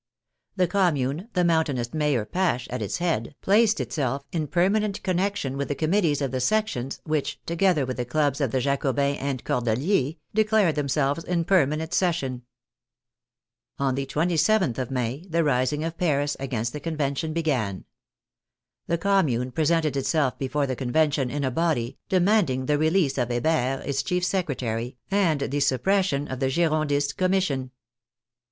The Commune, the Moun tainist mayor Pache at its head, placed itself in perma nent connection with the committees of the sections, which, together with the clubs of the Jacobins and Cor deliers, declared themselves in permanent session. On the 27th of May, the rising of Paris against the Convention began. The Commune presented itself before the Convention in a body, demanding the release of Hebert, its chief secretary, and the suppression of the Girondist Commission.